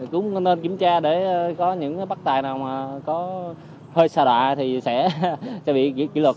cũng nên kiểm tra để có những bắt tài nào mà có hơi xa lạ thì sẽ bị kỷ luật